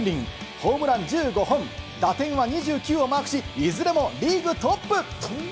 ホームラン１５本、打点は２９をマークし、いずれもリーグトップ。